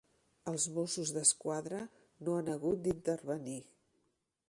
Els Mossos d'Esquadra no han hagut d'intervenir.